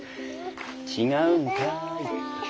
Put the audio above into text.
違うんかい。